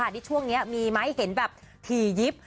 นี่ช่วงนี้มีไหมเห็นแบบถี่ยิบ